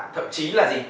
thậm chí là gì